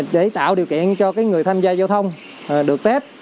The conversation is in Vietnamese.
để tạo điều kiện cho người tham gia giao thông được tết